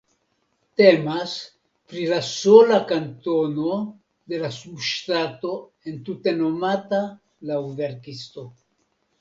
Temas pri la sola kantono de la subŝtato entute nomata laŭ verkisto.